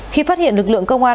khi phát hiện lực lượng công an